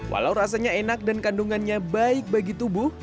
walau rasanya enak dan kandungannya baik bagi tubuh